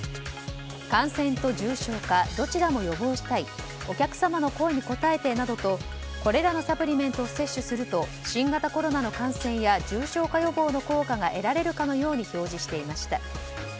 感染と重症化どちらも予防したいお客さもの声に応えてなどとこれらのサプリメントを摂取すると新型コロナの感染や重症化予防の効果が得られるかのように表示していました。